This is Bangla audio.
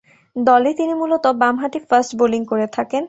দলে তিনি মূলতঃ বামহাতি ফাস্ট বোলিং করে থাকেন।